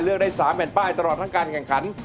เลือกได้๓แผ่นป้ายตลอดทั้งการกังขัน